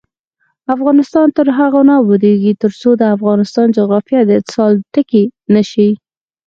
افغانستان تر هغو نه ابادیږي، ترڅو د افغانستان جغرافیه د اتصال ټکی نشي.